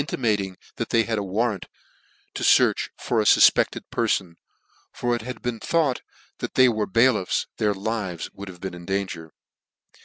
imating that they had a warrant to fearch for a fufpected perlon , for if it had ber n thought that they were bailiffs, their lives would have beerrin danger.